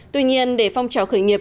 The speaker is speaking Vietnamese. tuy nhiên để phong trào khởi nghiệp